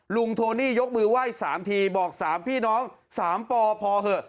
โทนี่ยกมือไหว้๓ทีบอก๓พี่น้อง๓ปพอเถอะ